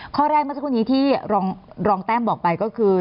ข้อแรกเมื่อสักครู่นี้ที่รองแต้มบอกไปก็คือ